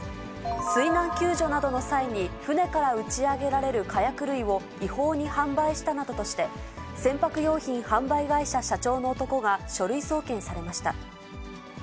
水難救助などの際に、船から打ち上げられる火薬類を違法に販売したなどとして、船舶用品販売会社社長の男が、書類送検されました。